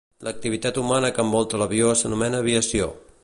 L'activitat humana que envolta l'avió s'anomena aviació.